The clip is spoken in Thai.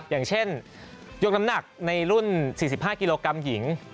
อย่างเช่นยกน้ำหนักในรุ่น๔๕กิโลกรัมหญิง